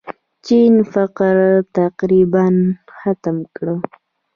چین فقر تقریباً ختم کړ.